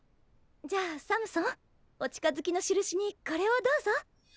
じゃあサムソンお近づきのしるしにこれをどうぞ。